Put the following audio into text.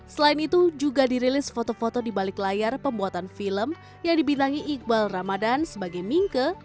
selain itu juga dirilis foto foto di balik layar pembuatan film yang dibintangi iqbal ramadan sebagai mingke